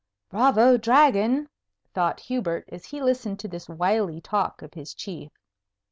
"Bravo, Dragon!" thought Hubert, as he listened to this wily talk of his chief.